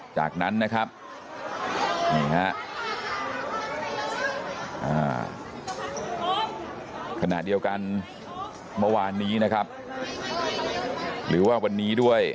จากนั้นคณะเดียวกันเมื่อวานนี้หรือว่าวันนี้ด้วย